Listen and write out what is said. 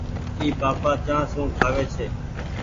اي پآپآ چآنه سون کآوي ڇي۔